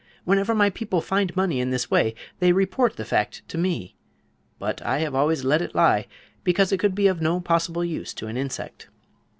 Whenever my people find money in this way they report the fact to me; but I have always let it lie, because it could be of no possible use to an insect.